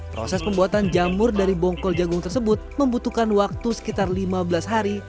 proses pembuatan jamur dari bongkol jagung tersebut membutuhkan waktu sekitar lima belas hari